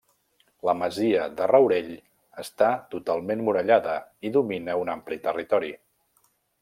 La Masia del Raurell està totalment murallada i domina un ampli territori.